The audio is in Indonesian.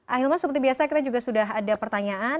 ahilman seperti biasa kita juga sudah ada pertanyaan